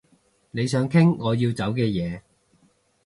你想傾我要走嘅嘢